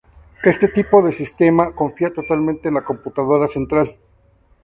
Este tipo de sistema confía totalmente en la computadora central.